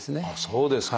そうですか。